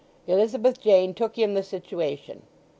Elizabeth Jane took in the situation.